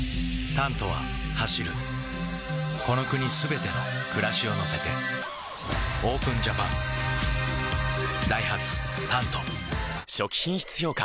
「タント」は走るこの国すべての暮らしを乗せてＯＰＥＮＪＡＰＡＮダイハツ「タント」初期品質評価